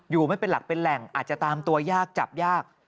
ไม่เป็นหลักเป็นแหล่งอาจจะตามตัวยากจับยาก